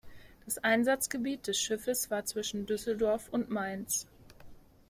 Das Einsatzgebiet des Schiffes war zwischen Düsseldorf und Mainz.